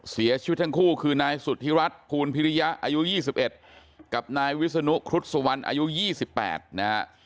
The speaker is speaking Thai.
เสียชีวิตทั้งคู่คือนายสุธิรัฐภูลพิริยะอายุ๒๑กับนายวิศนุครุฑสุวรรณอายุ๒๘นะฮะ